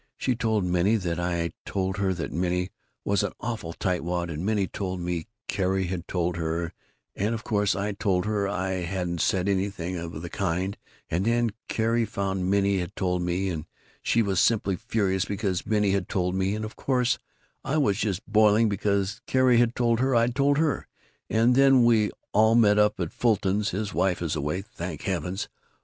She told Minnie that I told her that Minnie was an awful tightwad, and Minnie told me Carrie had told her, and of course I told her I hadn't said anything of the kind, and then Carrie found Minnie had told me, and she was simply furious because Minnie had told me, and of course I was just boiling because Carrie had told her I'd told her, and then we all met up at Fulton's his wife is away thank heavens!